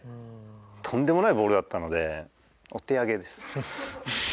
とんでもないボールだったのでお手上げです。